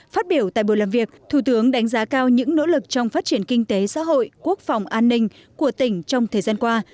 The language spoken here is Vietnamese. phát biểu tại buổi làm việc thủ tướng đánh giá cao những nỗ lực trong phát triển kinh tế xã hội quốc phòng an ninh của tỉnh trong thời gian qua